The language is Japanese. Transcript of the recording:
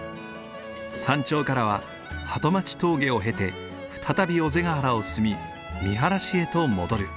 山頂からは鳩待峠を経て再び尾瀬ヶ原を進み見晴へと戻る。